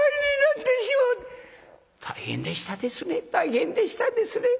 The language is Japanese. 「大変でしたですね大変でしたですね。